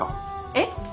えっ？